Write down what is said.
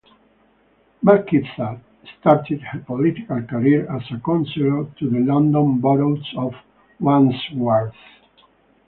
McIsaac started her political career as a councillor to the London Borough of Wandsworth.